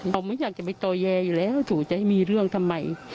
ผมไม่อยากจะไปต่อแยอยู่แล้วถูจะให้มีเรื่องทำไม